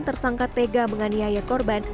tersangka tega menganiaya korban